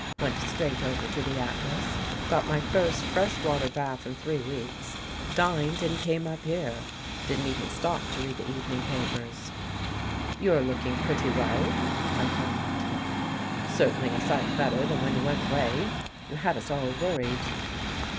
Went straight over to The Atlas, got my first fresh water bath in three weeks, dined and came up here. Didn't even stop to read the evening papers." " You're looking pretty well," I commented, " certainly a sight better than when you went away. You had us all worried."